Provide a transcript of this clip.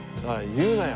言うなよ。